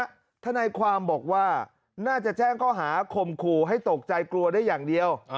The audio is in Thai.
ที่หาในความบอกว่าแน่ใจแช่งก็หาผมครูให้ตกใจกลัวได้อย่างเดียว